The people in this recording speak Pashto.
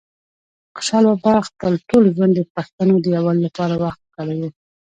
خوشحال بابا خپل ټول ژوند د پښتنو د یووالي لپاره وقف کړی وه